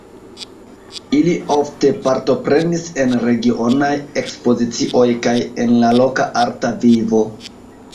Ili ofte partoprenis en regionaj ekspozicioj kaj en la loka arta vivo.